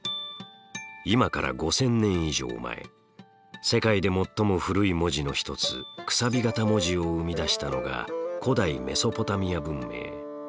今から５，０００年以上前世界で最も古い文字の一つ楔形文字を生み出したのが古代メソポタミア文明。